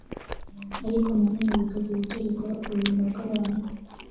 ariko na none bikagira icyo bikora ku buzima bw’abantu